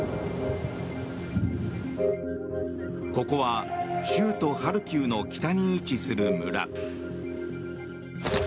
ここは州都ハルキウの北に位置する村。